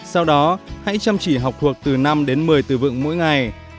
sau đó hãy chăm chỉ học thuộc từ năm đến một mươi từ vựng mỗi ngày